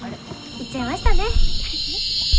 行っちゃいましたね。